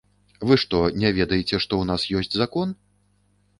Вы што, не ведаеце, што ў нас ёсць закон?